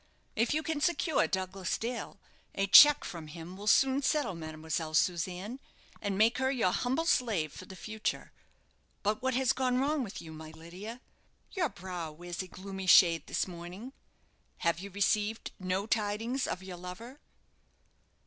If you can secure Douglas Dale, a cheque from him will soon settle Mademoiselle Susanne, and make her your humble slave for the future. But what has gone wrong with you, my Lydia? Your brow wears a gloomy shade this morning. Have you received no tidings of your lover?"